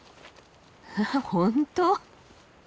本当！